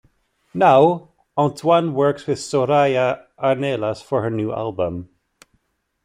Now, Antoine works with Soraya Arnelas for her new album.